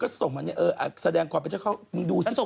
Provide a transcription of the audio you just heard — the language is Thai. ก็ส่งมาเนี่ยเออแสดงความเป็นเจ้าข้าว